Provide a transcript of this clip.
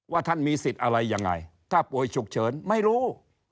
ท่านมีสิทธิ์อะไรยังไงถ้าป่วยฉุกเฉินไม่รู้